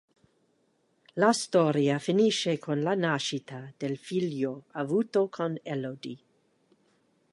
La storia finisce con la nascita del figlio avuto con Elodie.